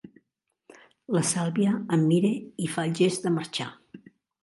La Sàlvia em mira i fa el gest de marxar.